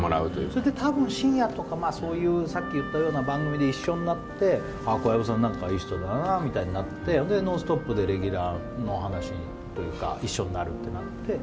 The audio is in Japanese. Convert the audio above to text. それで多分、深夜とかさっき言ったような番組で一緒になって小籔さんいい人だなみたいになって「ノンストップ！」でレギュラーの話というか一緒になるっていうので。